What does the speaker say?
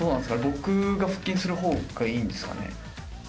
僕が腹筋する方がいいんですかね？